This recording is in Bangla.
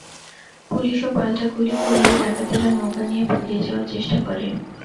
পুলিশও পাল্টা গুলি করলে ডাকাতেরা নৌকা নিয়ে পালিয়ে যাওয়ার চেষ্টা করে।